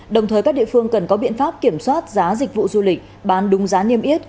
đồng thời các địa phương cần có biện pháp kiểm soát giá dịch vụ du lịch bán đúng giá niêm yết